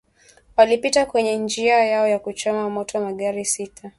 walipita kwenye njia yao na kuchoma moto magari sita